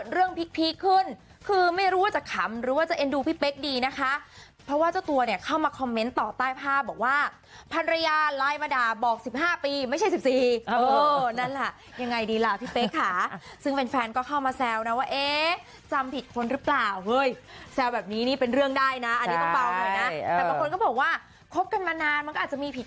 เรื่องพีคพีคขึ้นคือไม่รู้ว่าจะขำหรือว่าจะเอ็นดูพี่เป๊กดีนะคะเพราะว่าเจ้าตัวเนี่ยเข้ามาคอมเมนต์ต่อใต้ภาพบอกว่าพรรยาลายมาด่าบอกสิบห้าปีไม่ใช่สิบสี่เออนั่นแหละยังไงดีล่ะพี่เป๊กค่ะซึ่งเป็นแฟนก็เข้ามาแซวนะว่าเอ๊ะจำผิดคนหรือเปล่าเฮ้ยแซวแบบนี้นี่เป็นเรื่องได้น่ะอันนี้